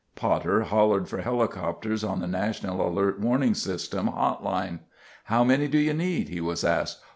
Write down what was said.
Potter hollered for helicopters on the National Alert Warning System hot line. "How many do you need?" he was asked.